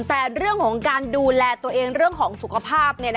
แต่เรื่องของการดูแลตัวเองเรื่องของสุขภาพ